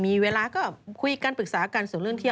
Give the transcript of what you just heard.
มีเวลาก็คุยกันปรึกษากันส่วนเรื่องเที่ยว